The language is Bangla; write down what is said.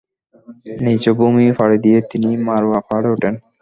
নীচু ভূমি পাড়ি দিয়ে তিনি মারওয়া পাহাড়ে ওঠেন।